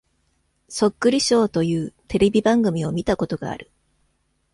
そっくりショーというテレビ番組を見たことがある。